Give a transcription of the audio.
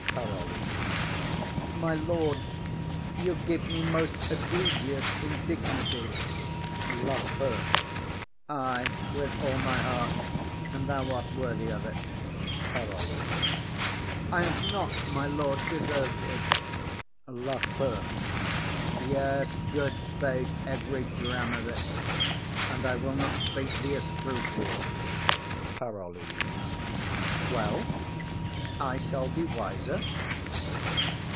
PAROLLES. My lord, you give me most egregious indignity. LAFEW. Ay, with all my heart; and thou art worthy of it. PAROLLES. I have not, my lord, deserv'd it. LAFEW. Yes, good faith, every dram of it; and I will not bate thee a scruple. PAROLLES. Well, I shall be wiser.